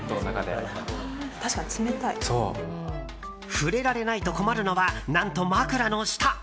触れられないと困るのは何と、枕の下！